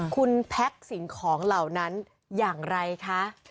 คุณแพ็คสิ่งของเหล่านั้นอย่างไรคะ